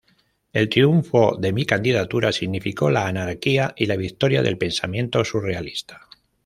El triunfo de mi candidatura significó la anarquía y la victoria del pensamiento surrealista.